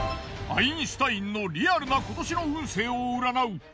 アインシュタインのリアルな今年の運勢を占う